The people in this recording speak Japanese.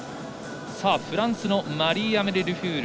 フランスマリーアメリ・ルフュール。